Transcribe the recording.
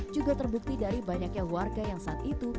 juga terbukti dari banyaknya warga yang saat itu